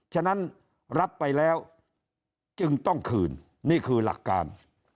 ฉะนั้นรับไปแล้วจึงต้องคืนนี่คือหลักการ